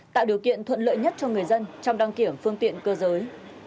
tạo điều kiện thuận lợi nhất cho người dân trong đăng kiểm phương tiện cơ giới